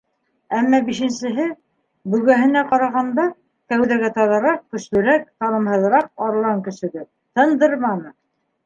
Әммә бишенсеһе, бөгәһенә ҡарағанда кәүҙәгә таҙараҡ, көслөрәк, талымһыҙыраҡ арлан көсөгө, тындырманы.